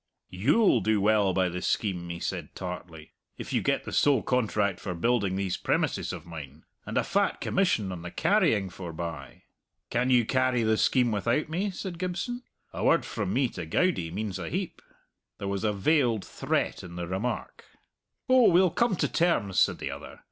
"You'll do well by the scheme," he said tartly, "if you get the sole contract for building these premises of mine, and a fat commission on the carrying forbye." "Can you carry the scheme without me?" said Gibson. "A word from me to Goudie means a heap." There was a veiled threat in the remark. "Oh, we'll come to terms," said the other.